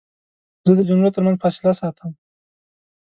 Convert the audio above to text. زه د جملو ترمنځ فاصله ساتم.